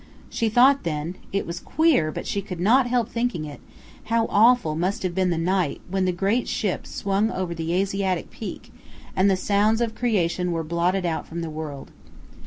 She thought then it was queer, but she could not help thinking it how awful must have been the night when the great ship swung over the Asiatic peak, and the sounds of creation were blotted out from the world.